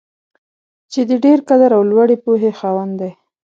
چې د ډېر قدر او لوړې پوهې خاوند دی.